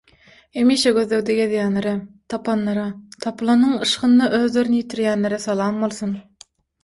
Hemişe gözlegde gezýänlere, tapanlara, tapylanyň yşgynda özlerini ýitirýänlere salam bolsun.